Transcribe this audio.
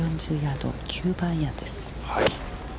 ９番アイアンです。